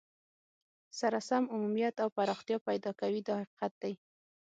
سره سم عمومیت او پراختیا پیدا کوي دا حقیقت دی.